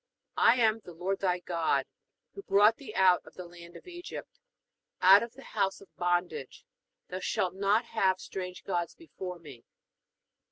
I am the Lord thy God, who brought thee out of the land of Egypt, out of the house of bondage. Thou shalt not have strange gods before Me.